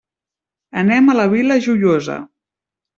Anem a la Vila Joiosa.